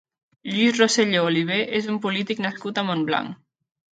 Lluís Roselló Olivé és un polític nascut a Montblanc.